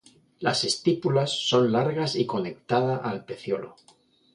Las estípulas son largas y conectado al pecíolo.